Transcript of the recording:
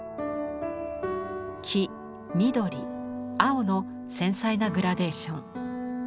黄緑青の繊細なグラデーション。